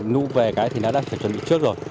nũ về cái thì đã chuẩn bị trước rồi